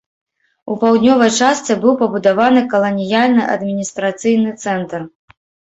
У паўднёвай частцы быў пабудаваны каланіяльны адміністрацыйны цэнтр.